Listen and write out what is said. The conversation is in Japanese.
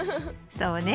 そうね。